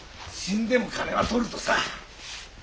死んでも金は取るとさ。